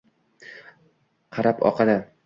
qarab oqadi